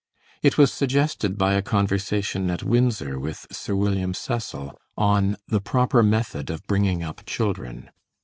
It was suggested by a conversation at Windsor with Sir William Cecil, on the proper method of bringing up children.